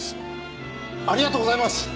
ありがとうございます！